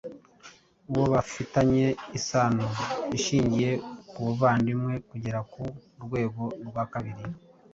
uwo bafitanye isano ishingiye ku buvandimwe kugera ku rwego rwa kabiri